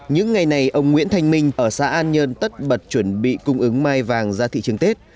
những ngày này ông nguyễn thanh minh ở xã an nhơn tất bật chuẩn bị cung ứng mai vàng ra thị trường tết